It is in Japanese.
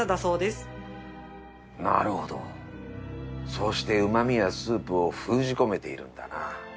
そうしてうま味やスープを封じ込めているんだな